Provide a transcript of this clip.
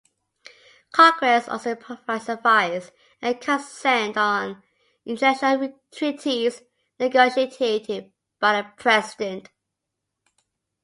Congress also provides advice and consent on international treaties negotiated by the President.